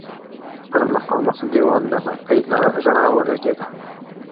پر مخامخ دېوال د بتۍ رڼا ولګېده.